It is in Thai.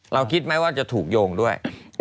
คิดไหมว่าจะถูกโยงด้วย